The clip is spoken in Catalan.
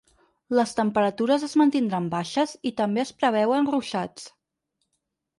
Les temperatures es mantindran baixes i també es preveuen ruixats.